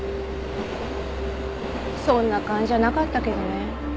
そんな感じじゃなかったけどね。